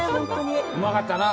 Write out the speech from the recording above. うまかったな。